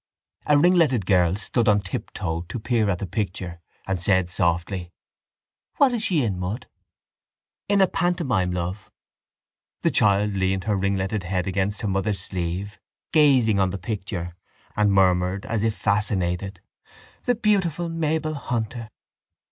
A ringletted girl stood on tiptoe to peer at the picture and said softly: —What is she in, mud? —In a pantomime, love. The child leaned her ringletted head against her mother's sleeve, gazing on the picture and murmured as if fascinated: —The beautiful Mabel Hunter!